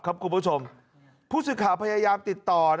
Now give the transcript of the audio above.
คุณผู้ชมผู้สื่อข่าวพยายามติดต่อ